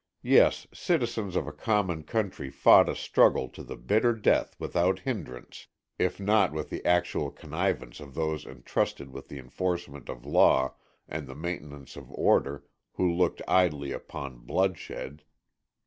Yes, citizens of a common country fought a struggle to the bitter death without hindrance, if not with the actual connivance of those entrusted with the enforcement of law and the maintenance of order, who looked idly upon bloodshed.